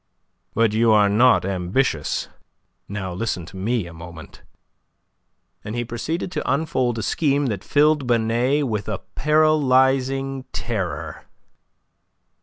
"But you are not ambitious. Now listen to me, a moment." And he proceeded to unfold a scheme that filled Binet with a paralyzing terror.